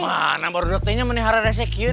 kok mana baru baru ini menihar resekin ya kan